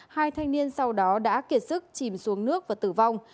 hai thanh niên sau đó đã kiệt sức chìm xuống nước và tử vong